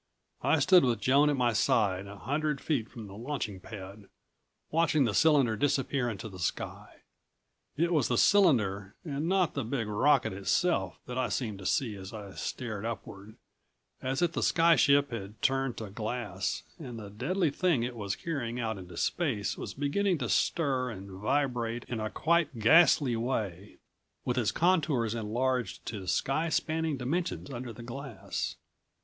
I stood with Joan at my side a hundred feet from the launching pad, watching the cylinder disappear into the sky. It was the cylinder and not the big rocket itself that I seemed to see as I stared upward, as if the sky ship had turned to glass and the deadly thing it was carrying out into space was beginning to stir and vibrate in a quite ghastly way, with its contours enlarged to sky spanning dimensions under the glass.